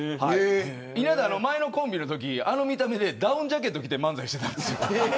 稲田、前のコンビのときあの見た目でダウンジャケット着て漫才していたんです。